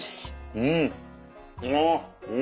うん！